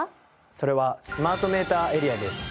それはスマートメーターエリアです。